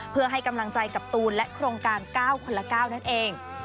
เพื่อให้กำลังใจกับตูนและโครงการ๙คนละ๙นั่นเอง